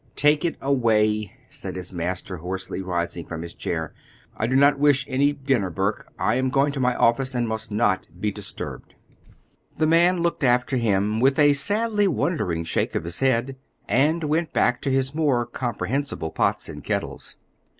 "Take it away," said his master, hoarsely, rising from his chair. "I do not wish any dinner, Burke. I am going to my office, and must not be disturbed." The man looked after him with a sadly wondering shake of his head, and went back to his more comprehensible pots and kettles.